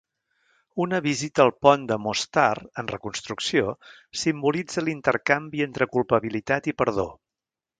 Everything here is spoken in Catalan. Una visita al pont de Mostar, en reconstrucció, simbolitza l'intercanvi entre culpabilitat i perdó.